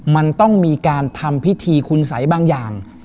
มันต้องมีการทำพิธีคุณสัยบางอย่าง